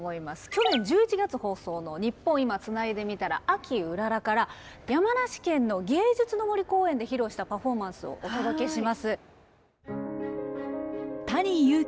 去年１１月放送の「ニッポン『今』つないでみたら秋うらら」から山梨県の芸術の森公園で披露したパフォーマンスをお届けします。